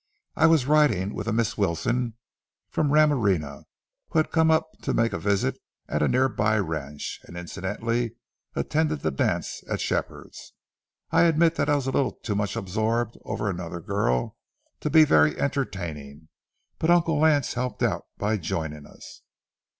I was riding with a Miss Wilson from Ramirena, who had come up to make a visit at a near by ranch and incidentally attend the dance at Shepherd's. I admit that I was a little too much absorbed over another girl to be very entertaining, but Uncle Lance helped out by joining us.